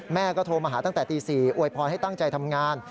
แม่ก็โทรมาหาตั้งแต่ตี๔อวยพรให้ตั้งใจทำงาน